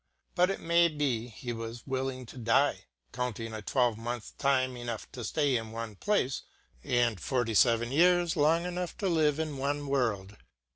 But it may be he was willing to die, counting a twelvemoneths time enough to flay in one place, and fourty feven years long enough to live in one world.